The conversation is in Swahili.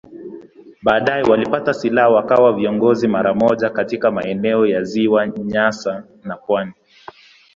Baadaye walipata silaha wakawa viongozi mara moja katika maeneo ya Ziwa Nyasa na pwani.